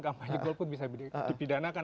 kampanye golput bisa dipidanakan